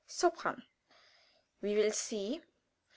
"Sopran? We will see.